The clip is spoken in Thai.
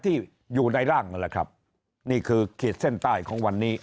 ที่อยู่ในร่างนั่นแหละครับนี่คือขีดเส้นใต้ของวันนี้